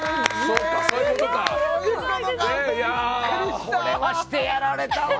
これはしてやられた。